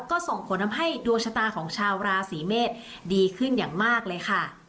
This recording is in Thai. ก็ส่งผลทำให้ดวงชะตาของชาวราศีเมษดีขึ้นอย่างมากเลยค่ะ